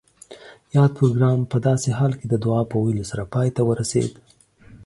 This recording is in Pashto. یاد پروګرام پۀ داسې حال کې د دعا پۀ ویلو سره پای ته ورسید